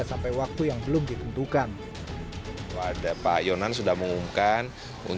sampai waktu yang belum ditentukan